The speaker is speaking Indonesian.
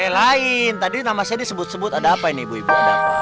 eh lain tadi nama saya disebut sebut ada apa ini ibu ibu